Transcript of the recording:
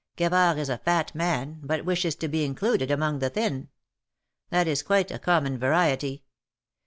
Gavard is a Fat man, but wishes to be included among the Thin. That is quite a common variety.